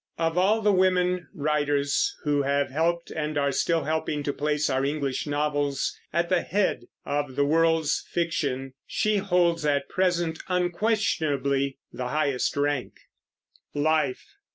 Of all the women writer's who have helped and are still helping to place our English novels at the head of the world's fiction, she holds at present unquestionably the highest rank. LIFE.